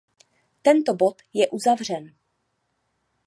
Tento bod je uzavřen.